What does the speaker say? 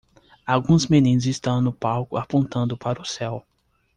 Alguns meninos estão no palco apontando para o céu.